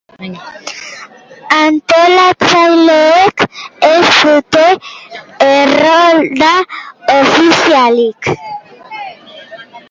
Antolatzaileek ez dute errolda ofizialik.